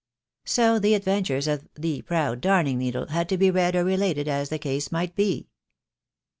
'" So the adventures of "The Proud Darning Needle" had to be read or related as the case might be.